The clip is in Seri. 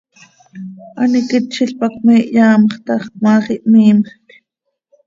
An iquitzil pac me hyaamx tax, cmaax ihmiimjc.